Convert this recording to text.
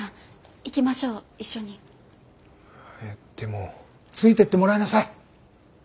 ついてってもらいなさい。